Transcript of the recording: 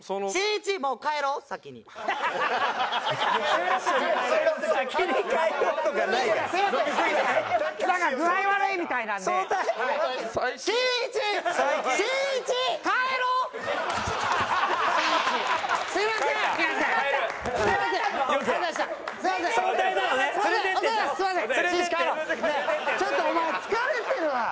ちょっとお前疲れてるわ。